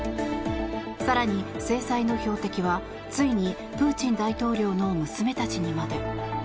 更に制裁の標的はついにプーチン大統領の娘たちにまで。